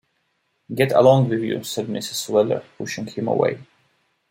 ‘Get along with you!’ said Mrs. Weller, pushing him away.